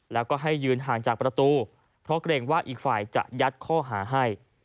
แล้วก็ให้ยืนห่างจากประตูเพราะเกรงว่าอีกฝ่ายจะยัดข้อหาให้